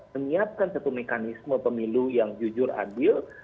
menyiapkan satu mekanisme pemilu yang jujur adil